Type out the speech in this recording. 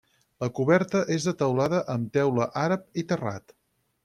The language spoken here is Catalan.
La coberta és de teulada amb teula àrab i terrat.